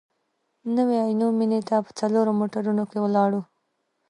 نوي عینو مېنې ته په څلورو موټرونو کې ولاړو.